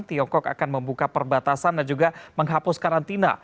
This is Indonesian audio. tiongkok akan membuka perbatasan dan juga menghapus karantina